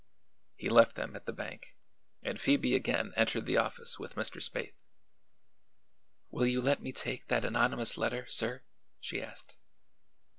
He left them at the bank and Phoebe again entered the office with Mr. Spaythe. "Will you let me take that anonymous letter, sir?" she asked.